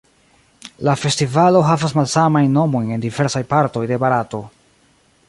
La festivalo havas malsamajn nomojn en diversaj partoj de Barato.